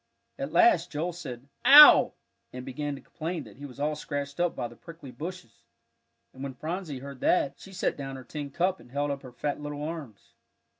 At last Joel said, "Ow!" and began to complain that he was all scratched up by the prickly bushes, and when Phronsie heard that, she set down her tin cup and held up her fat little arms.